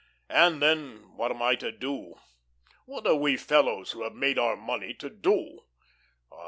And, then, what am I to do? What are we fellows, who have made our money, to do?